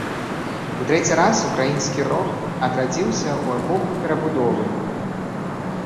У трэці раз ўкраінскі рок адрадзіўся ў эпоху перабудовы.